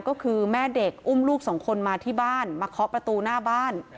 ก็คือแม่เด็กอุ้มลูกสองคนมาที่บ้านมาเคาะประตูหน้าบ้าน